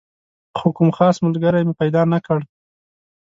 خو کوم خاص ملګری مې پیدا نه کړ.